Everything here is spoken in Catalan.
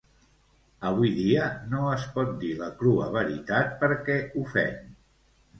Avui dia no es pot dir la crua veritat perquè ofèn